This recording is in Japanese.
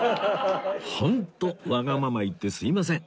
ホントわがまま言ってすいません